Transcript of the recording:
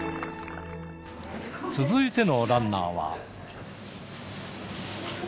続いてのランナーは。